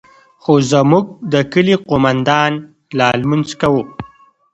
خو زموږ د كلي قومندان لا لمونځ كاوه.